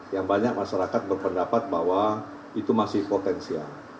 yang banyak masyarakat berpendapat bahwa itu masih potensial